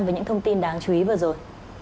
với những thông tin đáng chú ý vừa rồi